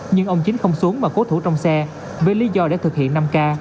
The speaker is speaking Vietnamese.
nhưng ông chính không xuống mà cố thủ trong xe với lý do để thực hiện năm k